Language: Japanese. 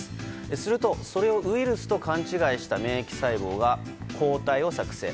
するとそれをウイルスを勘違いした免疫細胞が抗体を作成。